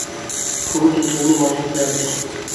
ښوونکی د ټولنې معنوي پلار دی.